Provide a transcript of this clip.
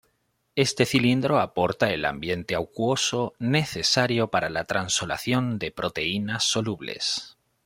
Este cilindro aporta el ambiente acuoso necesario para la translocación de proteínas solubles.